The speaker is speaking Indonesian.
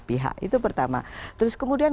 pihak itu pertama terus kemudian